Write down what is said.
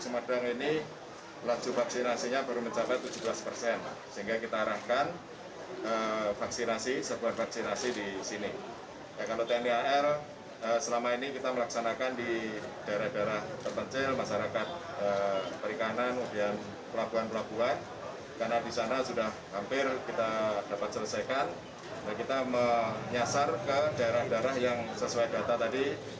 masar ke daerah daerah yang sesuai data tadi